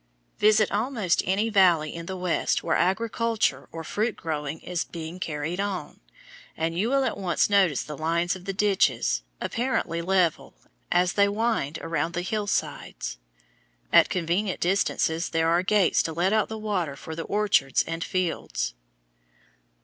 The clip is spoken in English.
Visit almost any valley in the West where agriculture or fruit growing is being carried on, and you will at once notice the lines of the ditches, apparently level, as they wind around the hillsides. At convenient distances there are gates to let out the water for the orchards and fields.